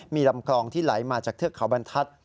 มีลำคลองที่ไหลมาจากเทือกเขาบรรทัศน์